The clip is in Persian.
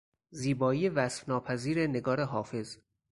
زیبایی وصف ناپذیر نگار حافظ